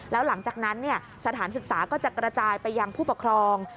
แล้วหลังจากนั้นสถานศึกษาก็จะกระจายไปยังผู้ปกครอง